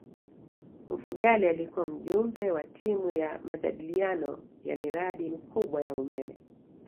mfugale alikuwa mjumbe wa timu ya majadiliano ya miradi mikubwa ya umeme